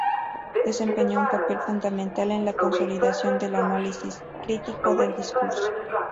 Desempeñó un papel fundamental en la consolidación del análisis crítico del discurso.